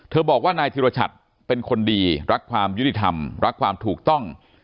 บอกว่านายธิรชัดเป็นคนดีรักความยุติธรรมรักความถูกต้อง